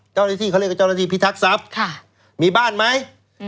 เจ้าหน้าที่เขาเรียกว่าเจ้าหน้าที่พิทักษัพมีบ้านไหม